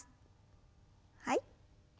はい。